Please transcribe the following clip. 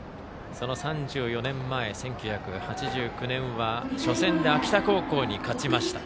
３４年前、１９８９年は初戦で秋田高校に勝ちました。